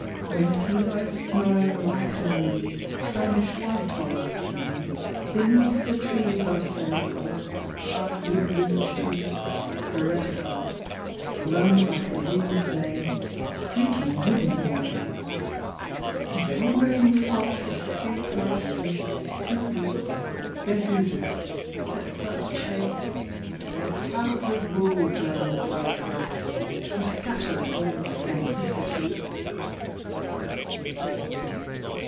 Whence he lies snoring like the moon Clownish white all afternoon Beneath the trees' arsenical Sharp woodwind tunes ; heretical — Blown like the wind's mane (Creaking woodenly again) His wandering thoughts escape like geese Till he, their gooseherd, sets up chase While clouds of wool join the bright race For scattered old simplicities.